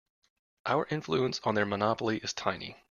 Our influence on their monopoly is tiny.